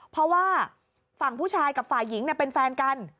เพราะว่าฝั่งผู้ชายกับฝ่ายหญิงเป็นแฟนกัน